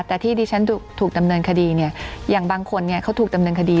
แต่ที่ดิฉันถูกดำเนินคดีเนี่ยอย่างบางคนเขาถูกดำเนินคดี